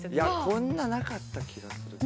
こんななかった気がするけどな。